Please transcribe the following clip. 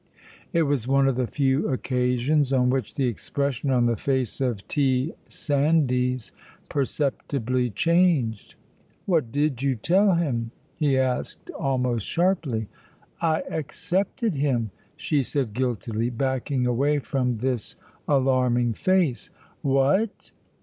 It was one of the few occasions on which the expression on the face of T. Sandys perceptibly changed. "What did you tell him?" he asked, almost sharply. "I accepted him," she said guiltily, backing away from this alarming face. "What!"